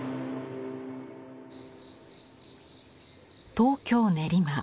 東京練馬。